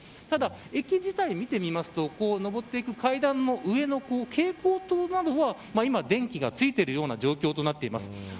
ただ、駅自体を見てみますとのぼっていく階段の上の蛍光灯などは今、電気がついている状況となっています。